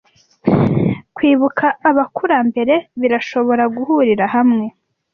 Kwibuka abakurambere birashobora guhurira hamwe.